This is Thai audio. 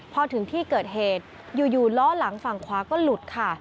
พอถึงที่เกิดเหตุอยู่ล้อหลังฝั่งขวาก็หลุดค่ะ